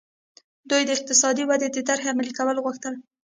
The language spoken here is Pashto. دوی د اقتصادي ودې د طرحې عملي کول غوښتل.